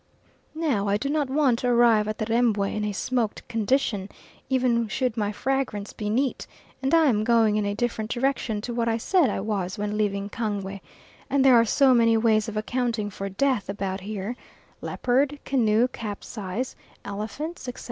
Now I do not want to arrive at the Rembwe in a smoked condition, even should my fragments be neat, and I am going in a different direction to what I said I was when leaving Kangwe, and there are so many ways of accounting for death about here leopard, canoe capsize, elephants, etc.